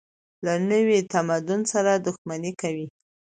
له نوي تمدن سره دښمني کوي.